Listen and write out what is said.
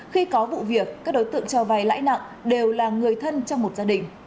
khi có vụ việc các đối tượng cho vay lãi nặng đều là người thân trong một gia đình